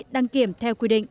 đăng kiểm theo quy định